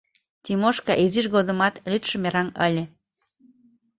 Тимошка изиж годымат лӱдшӧ мераҥ ыле.